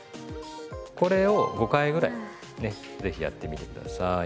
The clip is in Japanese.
これを５回ぐらいね是非やってみて下さい。